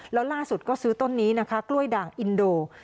แล้วล่าสุดก็ซื้อต้นนี้นะคะกล้วยด่างอินโด